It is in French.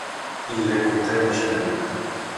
Il les comptait machinalement.